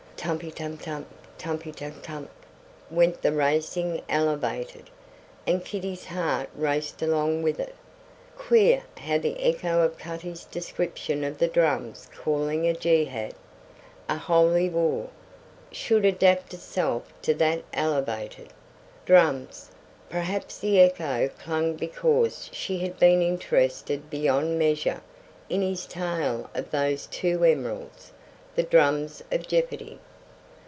Tumpitum tump! Tumpitum tump! went the racing Elevated; and Kitty's heart raced along with it. Queer how the echo of Cutty's description of the drums calling a jehad a holy war should adapt itself to that Elevated. Drums! Perhaps the echo clung because she had been interested beyond measure in his tale of those two emeralds, the drums of jeopardy.